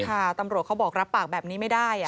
ตำรวจเขาบอกรับปากแบบนี้ไม่ได้